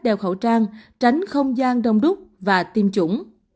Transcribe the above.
đeo khẩu trang tránh không gian đông đúc và tiêm chủng